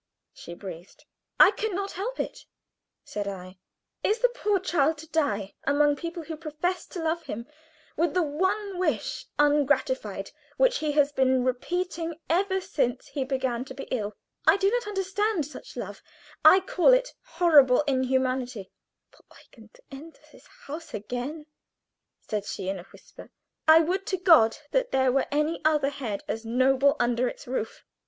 she breathed. "I can not help it," said I. "Is the poor child to die among people who profess to love him, with the one wish ungratified which he has been repeating ever since he began to be ill? I do not understand such love; I call it horrible inhumanity." "For Eugen to enter this house again!" she said in a whisper. "I would to God that there were any other head as noble under its roof!"